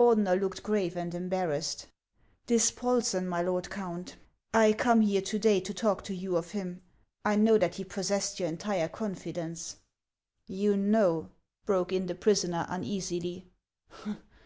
Ordeuer looked grave and embarrassed. " Dispolseu, my lord Count ? I come here to day to talk to you of him. I know that he possessed your entire confidence." •' You know ?" broke in the prisoner, uneasily.